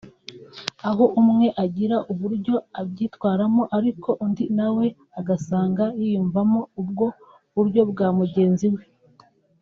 aho umwe agira uburyo abyitwaramo ariko undi na we agasanga yiyumvamo ubwo buryo bwa mugenzi we